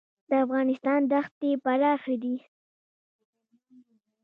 د افغانستان دښتې پراخې دي